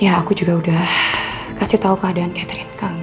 ya aku juga udah kasih tau keadaan catherine kak